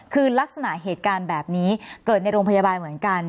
คือลักษณะเหตุการณ์แบบนี้เกิดในโรงพยาบาลเหมือนกัน